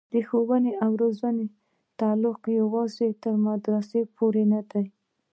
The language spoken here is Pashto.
د ښوونې او روزنې تعلق یوازې تر مدرسې پورې نه دی.